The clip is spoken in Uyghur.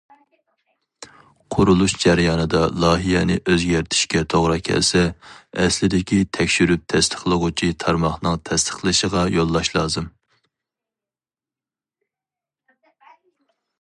قۇرۇلۇش جەريانىدا لايىھەنى ئۆزگەرتىشكە توغرا كەلسە، ئەسلىدىكى تەكشۈرۈپ تەستىقلىغۇچى تارماقنىڭ تەستىقلىشىغا يوللاش لازىم.